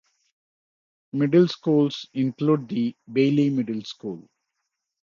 Middle schools include the Bailey Middle School.